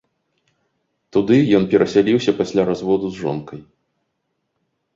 Туды ён перасяліўся пасля разводу з жонкай.